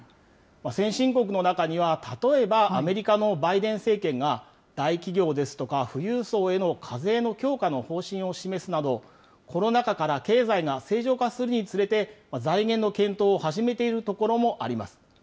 先進国の中には、例えばアメリカのバイデン政権が、大企業ですとか、富裕層への課税の強化の方針を示すなど、コロナ禍から経済が正常化するにつれて、財源の検討を始めているところもあります。